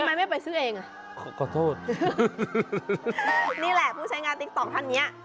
ทำไมไม่ไปซื้อเองอ่ะขอโทษนี่แหละผู้ใช้งานติ๊กต๊อกท่านเนี้ย